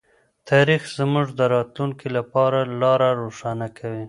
تاریخ زموږ د راتلونکي لپاره لاره روښانه کوي.